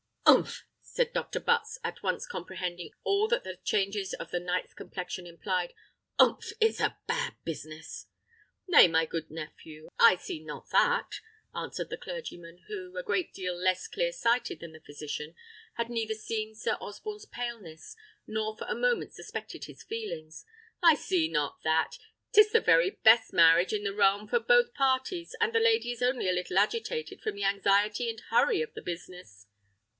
"Umph!" said Dr. Butts, at once comprehending all that the changes of the knight's complexion implied; "umph! it's a bad business." "Nay, my good nephew, I see not that," answered the clergyman; who, a great deal less clear sighted than the physician, had neither seen Sir Osborne's paleness, nor for a moment suspected his feelings: "I see not that. 'Tis the very best marriage in the realm for both parties, and the lady is only a little agitated from the anxiety and hurry of the business."